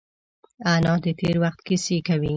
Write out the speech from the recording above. انا د تېر وخت کیسې کوي